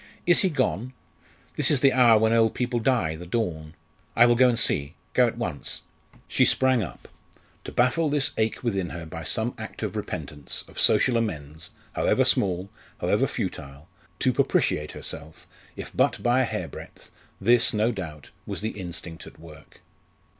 "Is he gone? This is the hour when old people die the dawn. I will go and see go at once." She sprang up. To baffle this ache within her by some act of repentance, of social amends, however small, however futile to propitiate herself, if but by a hairbreadth this, no doubt, was the instinct at work.